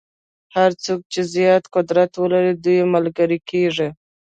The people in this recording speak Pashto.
هر څوک چې زیات قدرت ولري دوی ملګري کېږي.